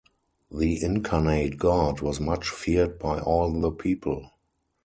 The incarnate god was much feared by all the people.